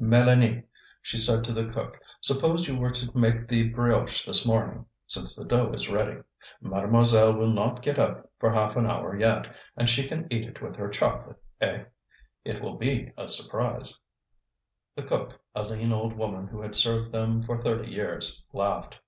"Mélanie," she said to the cook, "suppose you were to make the brioche this morning, since the dough is ready. Mademoiselle will not get up for half an hour yet, and she can eat it with her chocolate. Eh? It will be a surprise." The cook, a lean old woman who had served them for thirty years, laughed.